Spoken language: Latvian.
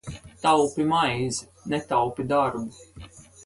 Taupi maizi, netaupi darbu!